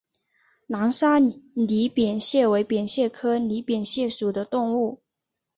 南沙拟扁蟹为扁蟹科拟扁蟹属的动物。